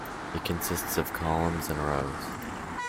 It consists of columns, and rows.